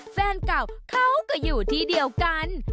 แฟนเก่าเขาก็อยู่ที่เดียวกัน